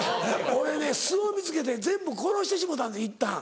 俺ね巣を見つけて全部殺してしもうたんですいったん。